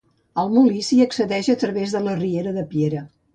Al molí s'hi accedeix a través de la riera de Piera.